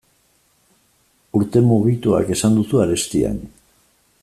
Urte mugituak esan duzu arestian.